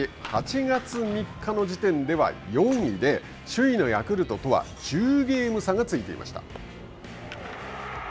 ８月３日の時点では４位で、首位のヤクルトとは１０ゲーム差がついていました。